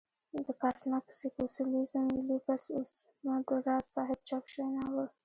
د کاسمک سېکسوليزم ويلو پس اوس مو د راز صاحب چاپ شوى ناول